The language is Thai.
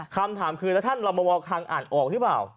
คำถามคือแล้วท่านเรามาวคังอ่านออกหรือเปล่า